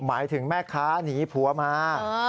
หมายถึงแม่ค้าหนีผัวมา